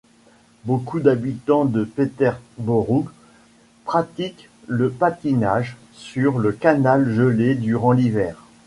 Beaucoup d'habitants de Peterborough pratiquent le patinage sur le canal gelé durant l'hiver.